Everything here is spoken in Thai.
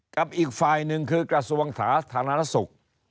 กับอีกฝ่ายหนึ่งคือกระทรวงสาธารณสุข